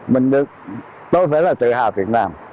mình được tôi phải là tự hào việt nam